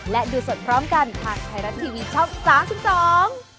และดูสดพร้อมกันทางไทยรัฐทีวีช่อง๓๒